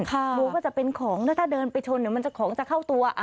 ดูว่าจะเป็นของแล้วถ้าเดินไปชนหรือของจะเข้าตัว